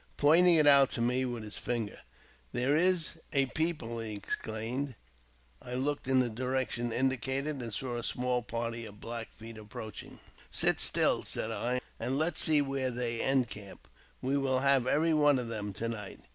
Pointing; it out to me with his finger, "There is a people," he exclaimed.. I looked in the direction indicated, and saw a small party of" Black Feet approaching. " Sit still," said I " and let us see where they encamp ; we^ will have every one of them to night."